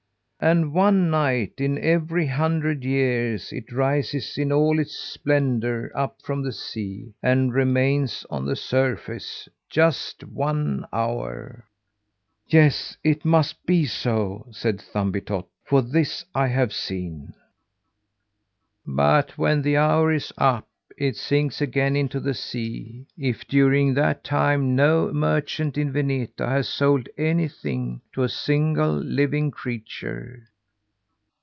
And one night in every hundred years, it rises in all its splendour up from the sea, and remains on the surface just one hour." "Yes, it must be so," said Thumbietot, "for this I have seen." "But when the hour is up, it sinks again into the sea, if, during that time, no merchant in Vineta has sold anything to a single living creature.